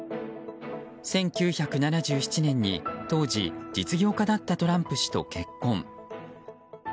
１９７７年に当時、実業家だったトランプ氏と結婚。